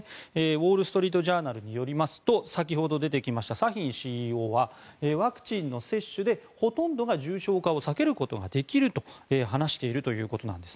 ウォール・ストリート・ジャーナルによりますと先ほど出てきましたサヒンＣＥＯはワクチンの接種で、ほとんどが重症化を避けることができると話しているということです。